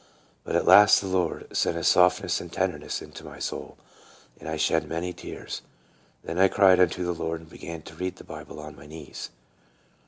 But at last the Lord sent a softness and tenderness into my soul, and I shed many tears. Then I cried unto the Lord, and began to read the Bible on my knees.